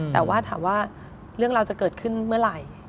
แต่ว่าถามว่าเรื่องราวจะเกิดขึ้นเมื่อไหร่